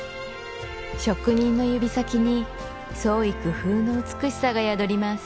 職人の指先に創意工夫の美しさが宿ります